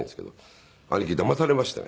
兄貴だまされましてね。